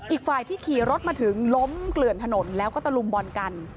อีกฝ่ายที่ขี่รถมาถึงล้มเกลื่อนถนนแล้วก็ตะลุมบอลกัน